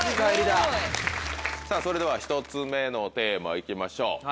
それでは１つ目のテーマ行きましょう。